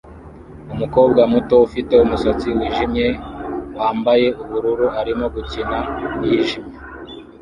Umukobwa muto ufite umusatsi wijimye wambaye ubururu arimo gukina na yijimye